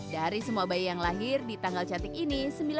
dari semua bayi yang lahir di tanggal cantik ini